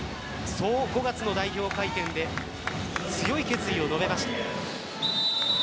そう５月の代表会見で強い決意を述べました。